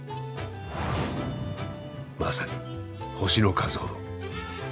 まさに星の数ほど。